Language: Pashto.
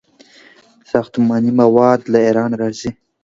ساختماني مواد له ایران راځي.